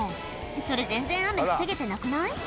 それ全然雨防げてなくない？